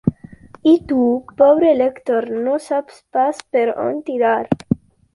I tu, pobre lector, no saps pas per on tirar.